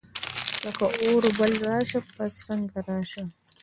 لکه اوربل راسه ، پۀ څنګ راسه